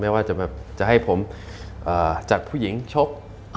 ไม่ว่าจะให้ผมจัดผู้หญิงชบ